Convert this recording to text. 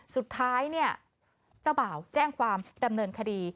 สุดท้ายเนี่ยเจ้าบ่าวแจ้งความดำเนินคดี